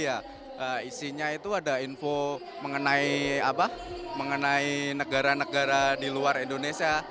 jadi ya isinya itu ada info mengenai negara negara di luar indonesia